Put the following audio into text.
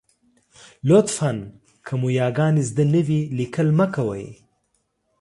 لطفاً! که مو یاګانې زده نه وي، لیکل مه کوئ.